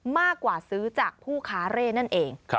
มากกว่าซื้อจากผู้ค้าเร่นั่นเอง